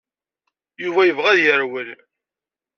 Yuba yebɣa ad yerwel.